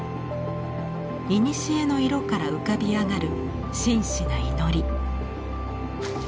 いにしえの色から浮かび上がる真摯な祈り。